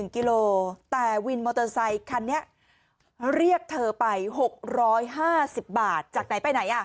กิโลแต่วินมอเตอร์ไซคันนี้เรียกเธอไป๖๕๐บาทจากไหนไปไหน